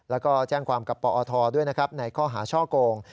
แล้วก็แจ้งความกับปอทด้วยนะครับในข้อหาช่อโกง